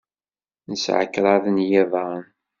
Nesɛa kraḍ n yiḍan.